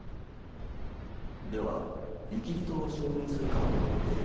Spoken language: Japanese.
では雪人を証明するカードのご提示